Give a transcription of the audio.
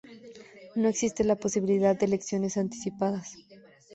No existe la posibilidad de elecciones anticipadas.